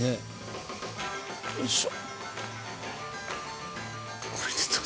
よいしょ。